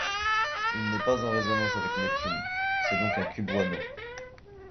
Il n'est pas en résonance avec Neptune, c'est donc un cubewano.